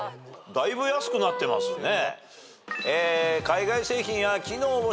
だいぶ安くなってますね。